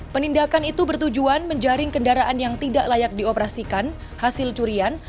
penindakan itu bertujuan menjaring kendaraan yang tidak layak dioperasikan hasil curian